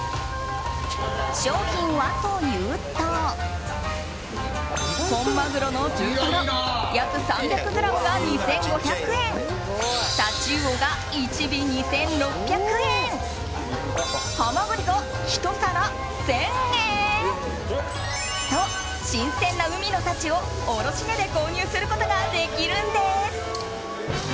商品はというと本マグロの中トロ約３００ｇが２５００円タチウオが１尾２６００円ハマグリが１皿１０００円と新鮮な海の幸を卸値で購入することができるんです。